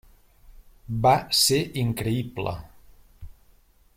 Va ser increïble.